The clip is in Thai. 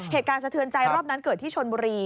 สะเทือนใจรอบนั้นเกิดที่ชนบุรี